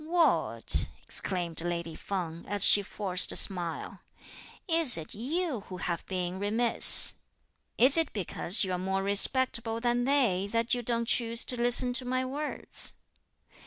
"What!" exclaimed lady Feng, as she forced a smile, "is it you who have been remiss? Is it because you're more respectable than they that you don't choose to listen to my words?"